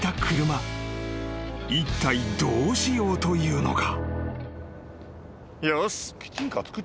［いったいどうしようというのか？］